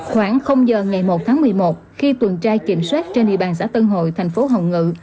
khoảng giờ ngày một tháng một mươi một khi tuần tra kiểm soát trên địa bàn xã tân hội thành phố hồng ngự